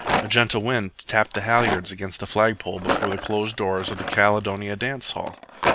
A gentle wind tapped the halyards against the flagpole before the closed doors of the Caledonia Dance Hall.